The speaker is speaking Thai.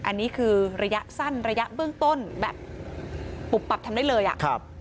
อันนี้คือระยะสั้นระยะเบื้องต้นแบบปุบปับทำได้เลยอ่ะครับ